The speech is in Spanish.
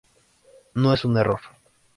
No es un error.